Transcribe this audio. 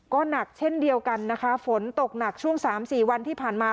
ก็หนักเช่นเดียวกันนะคะฝนตกหนักช่วง๓๔วันที่ผ่านมา